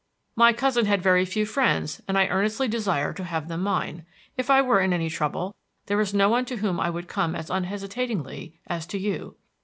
"My cousin had very few friends, and I earnestly desire to have them mine. If I were in any trouble, there is no one to whom I would come as unhesitatingly as to you."